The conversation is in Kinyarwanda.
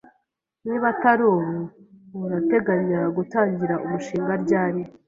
Niba atari ubu, urateganya gutangira umushinga ryari?